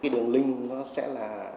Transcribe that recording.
đường link nó sẽ là